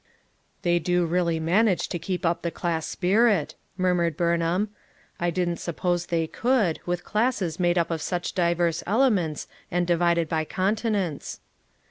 "They do really manage to keep up the class spirit, " murmured Burnham. "I didn't sup pose they could, with classes made up of such diverse elements and divided by continents."